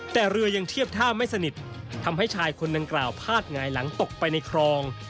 แต่เรือยังเทียบท่าไม่สนิททำให้ชายคนดังกล่าวพาดหงายหลังตกไปในคลอง